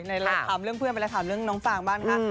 เราถามเรื่องเพื่อนไปแล้วถามเรื่องน้องฟางบ้างคะ